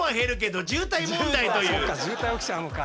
そっか渋滞起きちゃうのか。